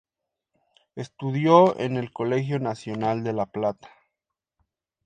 Estudió en el Colegio Nacional de La Plata.